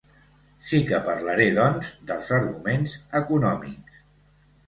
Sí que parlaré, doncs, dels arguments econòmics.